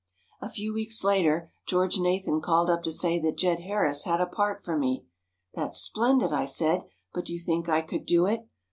"A few weeks later, George Nathan called up to say that Jed Harris had a part for me: 'That's splendid,' I said, 'but do you think I could do it?